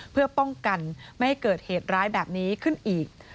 เพื่อป้องกันไม่ให้เกิดเหตุร้ายแบบนี้ขึ้นอีก